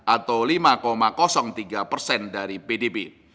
atau lima tiga persen dari pdb